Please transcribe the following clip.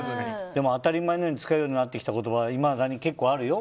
でも当たり前のように使うようになったものはいまだに結構あるよ。